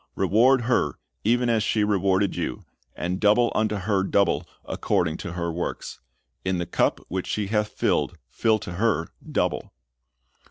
Reward her even as she rewarded you, and double unto her double according to her works: in the cup which she hath filled fill to her double."